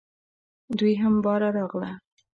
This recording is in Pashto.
دوی هم باره راغله .